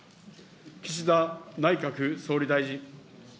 岸田内閣総理大臣。